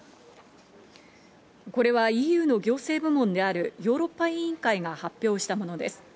これはＥＵの行政部門であるヨーロッパ委員会が発表したものです。